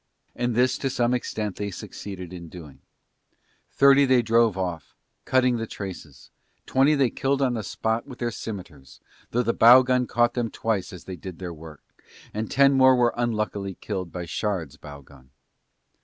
And this to some extent they succeeded in doing. Thirty they drove off, cutting the traces, twenty they killed on the spot with their scimitars though the bow gun caught them twice as they did their work, and ten more were unluckily killed by Shard's bow gun.